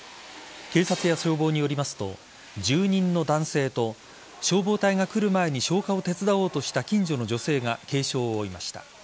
警察や消防によりますと住人の男性と消防隊が来る前に消火を手伝おうとした近所の女性が軽傷を負いました。